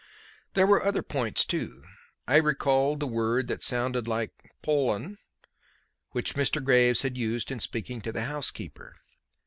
There were other points, too. I recalled the word that sounded like "Pol'n," which Mr. Graves had used in speaking to the housekeeper.